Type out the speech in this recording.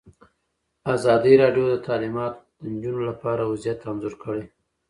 ازادي راډیو د تعلیمات د نجونو لپاره وضعیت انځور کړی.